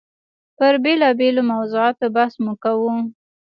پر بېلابېلو موضوعاتو بحث مو کاوه.